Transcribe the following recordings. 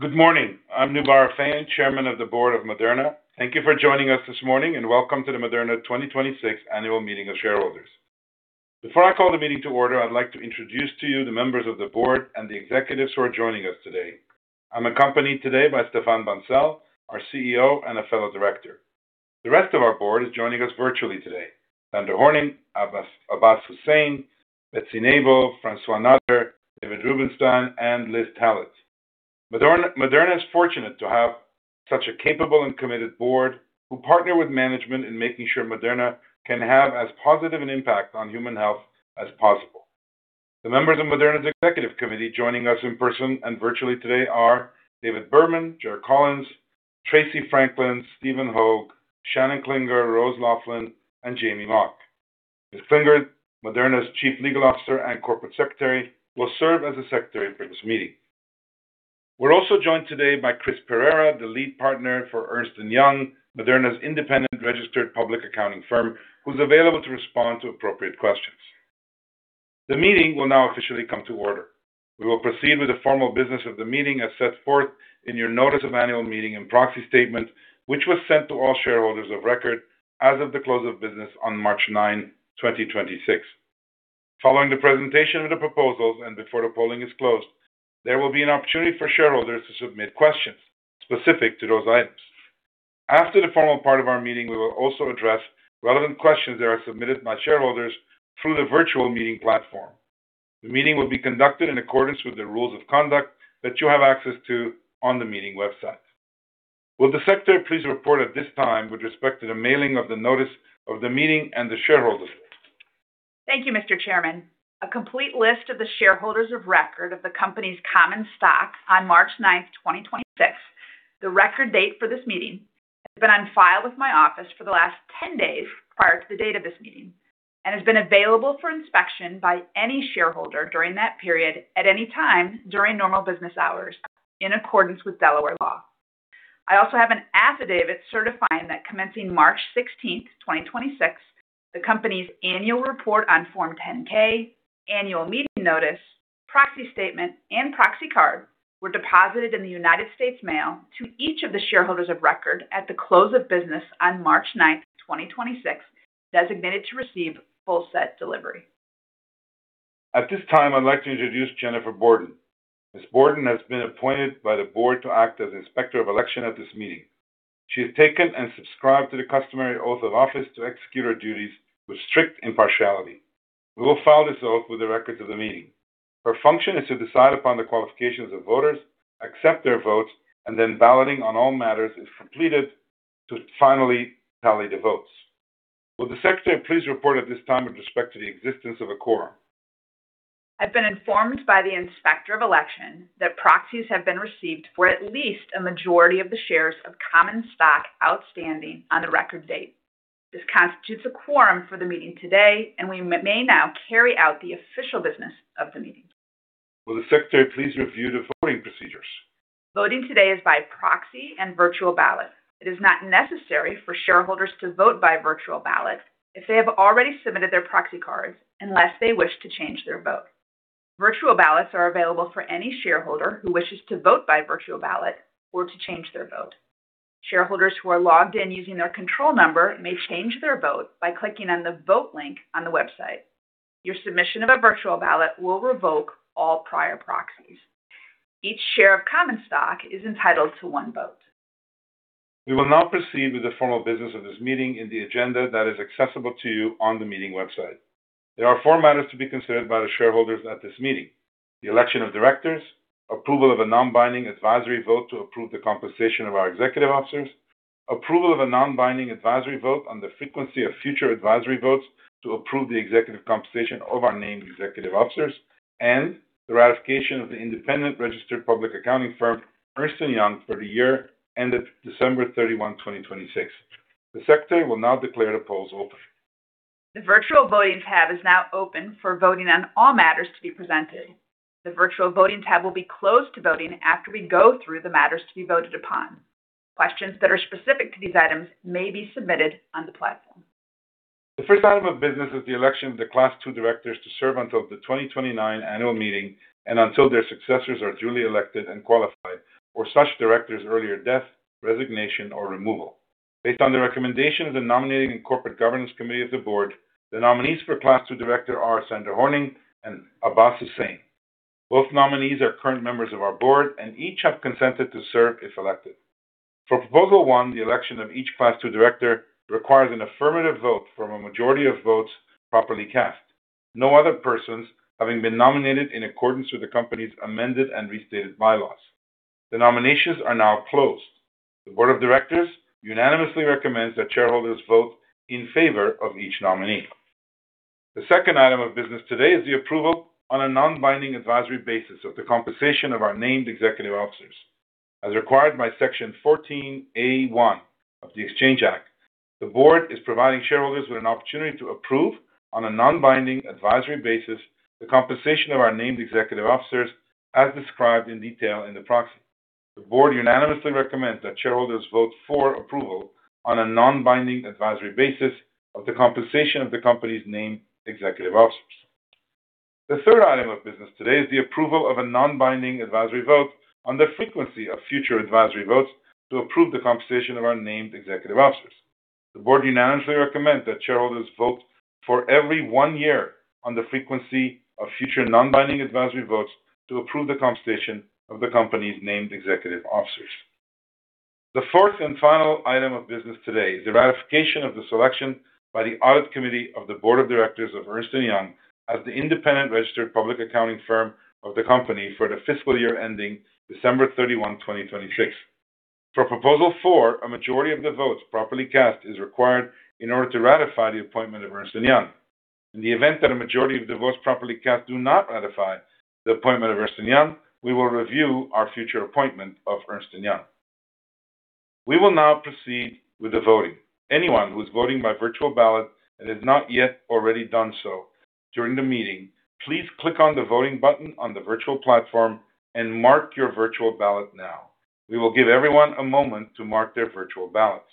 Good morning. I'm Noubar Afeyan, Chairman of the Board of Moderna. Thank you for joining us this morning, welcome to the Moderna 2026 Annual Meeting of Shareholders. Before I call the meeting to order, I'd like to introduce to you the members of the Board and the executives who are joining us today. I'm accompanied today by Stéphane Bancel, our CEO, a fellow director. The rest of our Board is joining us virtually today. Sandra Horning, Abbas Hussain, Betsy Nabel, François Nader, David Rubenstein, Liz Tallett. Moderna is fortunate to have such a capable and committed Board who partner with management in making sure Moderna can have as positive an impact on human health as possible. The members of Moderna's executive committee joining us in person and virtually today are David Berman, Jerh Collins, Tracey Franklin, Stephen Hoge, Shannon Klinger, Rose Loughlin, and Jamey Mock. Ms. Klinger, Moderna's Chief Legal Officer and Corporate Secretary, will serve as the secretary for this meeting. We're also joined today by Chris Pereira, the lead partner for Ernst & Young, Moderna's independent registered public accounting firm, who's available to respond to appropriate questions. The meeting will now officially come to order. We will proceed with the formal business of the meeting as set forth in your notice of annual meeting and proxy statement, which was sent to all shareholders of record as of the close of business on March 9, 2026. Following the presentation of the proposals and before the polling is closed, there will be an opportunity for shareholders to submit questions specific to those items. After the formal part of our meeting, we will also address relevant questions that are submitted by shareholders through the virtual meeting platform. The meeting will be conducted in accordance with the rules of conduct that you have access to on the meeting website. Will the secretary please report at this time with respect to the mailing of the notice of the meeting and the shareholders list? Thank you, Mr. Chairman. A complete list of the shareholders of record of the company's common stock on March 9, 2026, the record date for this meeting, has been on file with my office for the last 10 days prior to the date of this meeting and has been available for inspection by any shareholder during that period at any time during normal business hours in accordance with Delaware law. I also have an affidavit certifying that commencing March 16, 2026, the company's annual report on Form 10-K, annual meeting notice, proxy statement, and proxy card were deposited in the United States Mail to each of the shareholders of record at the close of business on March 9, 2026, designated to receive full set delivery. At this time, I'd like to introduce Jennifer Borden. Ms. Borden has been appointed by the board to act as Inspector of Election at this meeting. She has taken and subscribed to the customary oath of office to execute her duties with strict impartiality. We will file this oath with the records of the meeting. Her function is to decide upon the qualifications of voters, accept their votes, and then balloting on all matters is completed to finally tally the votes. Will the Secretary please report at this time with respect to the existence of a quorum? I've been informed by the Inspector of Election that proxies have been received for at least a majority of the shares of common stock outstanding on the record date. This constitutes a quorum for the meeting today, and we may now carry out the official business of the meeting. Will the Secretary please review the voting procedures? Voting today is by proxy and virtual ballot. It is not necessary for shareholders to vote by virtual ballot if they have already submitted their proxy cards unless they wish to change their vote. Virtual ballots are available for any shareholder who wishes to vote by virtual ballot or to change their vote. Shareholders who are logged in using their control number may change their vote by clicking on the vote link on the website. Your submission of a virtual ballot will revoke all prior proxies. Each share of common stock is entitled to one vote. We will now proceed with the formal business of this meeting in the agenda that is accessible to you on the meeting website. There are four matters to be considered by the shareholders at this meeting: the election of directors, approval of a non-binding advisory vote to approve the compensation of our executive officers, approval of a non-binding advisory vote on the frequency of future advisory votes to approve the executive compensation of our named executive officers, and the ratification of the independent registered public accounting firm, Ernst & Young, for the year ended December 31, 2026. The secretary will now declare the polls open. The virtual voting tab is now open for voting on all matters to be presented. The virtual voting tab will be closed to voting after we go through the matters to be voted upon. Questions that are specific to these items may be submitted on the platform. The first item of business is the election of the Class 2 directors to serve until the 2029 annual meeting and until their successors are duly elected and qualified or such directors' earlier death, resignation, or removal. Based on the recommendation of the Nominating and Corporate Governance Committee of the board, the nominees for Class 2 director are Sandra Horning and Abbas Hussain. Both nominees are current members of our board, and each have consented to serve if elected. For Proposal 1, the election of each Class 2 director requires an affirmative vote from a majority of votes properly cast. No other persons having been nominated in accordance with the company's amended and restated bylaws. The nominations are now closed. The board of directors unanimously recommends that shareholders vote in favor of each nominee. The second item of business today is the approval on a non-binding advisory basis of the compensation of our named executive officers. As required by Section 14A of the Exchange Act, the board is providing shareholders with an opportunity to approve, on a non-binding advisory basis, the compensation of our named executive officers as described in detail in the proxy. The board unanimously recommends that shareholders vote for approval on a non-binding advisory basis of the compensation of the company's named executive officers. The third item of business today is the approval of a non-binding advisory vote on the frequency of future advisory votes to approve the compensation of our named executive officers. The board unanimously recommends that shareholders vote for every 1 year on the frequency of future non-binding advisory votes to approve the compensation of the company's named executive officers. The 4th and final item of business today is the ratification of the selection by the audit committee of the Board of Directors of Ernst & Young as the independent registered public accounting firm of the company for the fiscal year ending December 31, 2026. For proposal 4, a majority of the votes properly cast is required in order to ratify the appointment of Ernst & Young. In the event that a majority of the votes properly cast do not ratify the appointment of Ernst & Young, we will review our future appointment of Ernst & Young. We will now proceed with the voting. Anyone who is voting by virtual ballot and has not yet already done so during the meeting, please click on the voting button on the virtual platform and mark your virtual ballot now. We will give everyone a moment to mark their virtual ballots.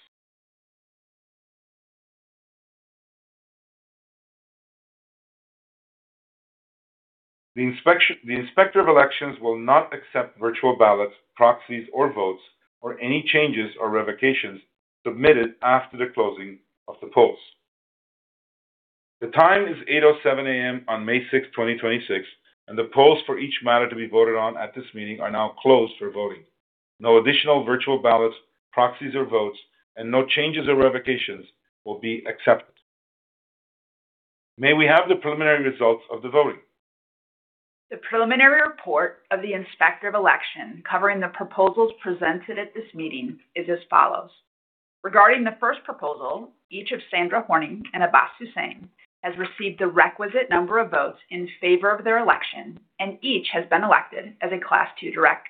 The inspector of elections will not accept virtual ballots, proxies, or votes, or any changes or revocations submitted after the closing of the polls. The time is 8:07 A.M. on May 6th, 2026, and the polls for each matter to be voted on at this meeting are now closed for voting. No additional virtual ballots, proxies, or votes, and no changes or revocations will be accepted. May we have the preliminary results of the voting? The preliminary report of the inspector of election covering the proposals presented at this meeting is as follows. Regarding the first proposal, each of Sandra Horning and Abbas Hussain has received the requisite number of votes in favor of their election, and each has been elected as a class 2 director.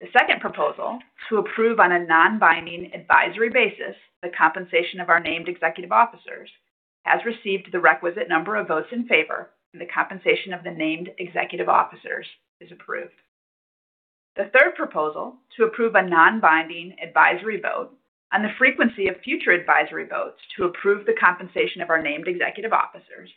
The second proposal, to approve on a non-binding advisory basis the compensation of our named executive officers, has received the requisite number of votes in favor, and the compensation of the named executive officers is approved. The third proposal, to approve a non-binding advisory vote on the frequency of future advisory votes to approve the compensation of our named executive officers,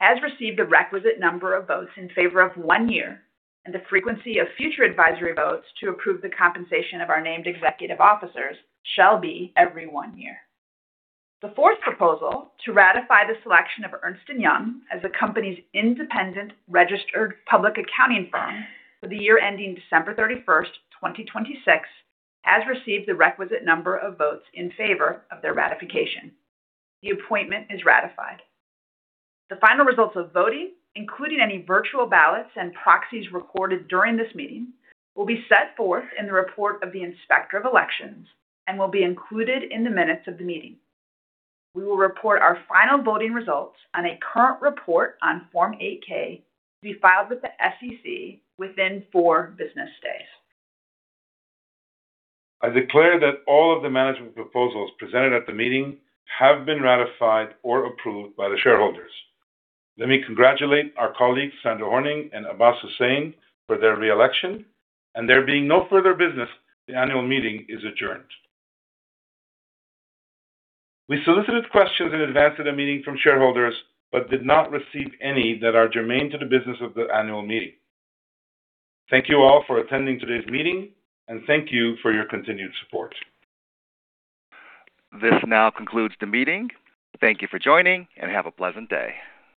has received the requisite number of votes in favor of one year, and the frequency of future advisory votes to approve the compensation of our named executive officers shall be every one year. The fourth proposal, to ratify the selection of Ernst & Young as the company's independent registered public accounting firm for the year ending December 31st, 2026, has received the requisite number of votes in favor of their ratification. The appointment is ratified. The final results of voting, including any virtual ballots and proxies recorded during this meeting, will be set forth in the report of the inspector of elections and will be included in the minutes of the meeting. We will report our final voting results on a current report on Form 8-K to be filed with the SEC within 4 business days. I declare that all of the management proposals presented at the meeting have been ratified or approved by the shareholders. Let me congratulate our colleagues, Sandra Horning and Abbas Hussain, for their re-election. There being no further business, the annual meeting is adjourned. We solicited questions in advance of the meeting from shareholders, but did not receive any that are germane to the business of the annual meeting. Thank you all for attending today's meeting, and thank you for your continued support. This now concludes the meeting. Thank you for joining, and have a pleasant day.